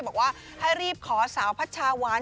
บอกว่าให้รีบขอสาวพัชชาวาน